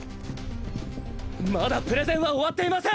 まだプレゼンはおわっていません！